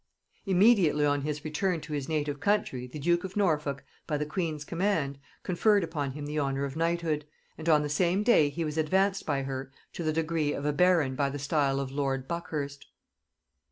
Immediately on his return to his native country the duke of Norfolk, by the queen's command, conferred upon him the honor of knighthood, and on the same day he was advanced by her to the degree of a baron by the style of lord Buckhurst.